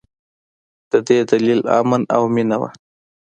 د دې دلیل امن او مینه وه.